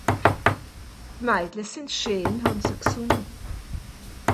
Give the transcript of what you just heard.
De Maidle se scheen, han se gsunge.